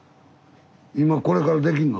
今これからできんの？